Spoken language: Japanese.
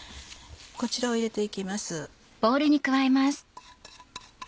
こちらを入れて行きます。